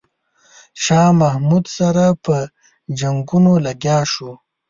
شاه محمود سره په جنګونو لګیا شو.